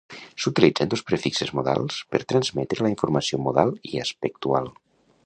S"utilitzen dos prefixes modals per transmetre la informació modal i aspectual.